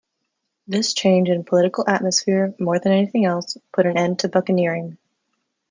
This change in political atmosphere, more than anything else, put an end to buccaneering.